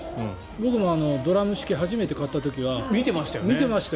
僕もドラム式を初めて買った時は見てましたよ。